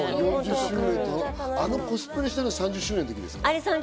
あのコスプレをしたのが３０周年ですか？